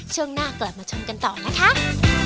ช่วงหน้ากลับมาชมกันต่อนะครับ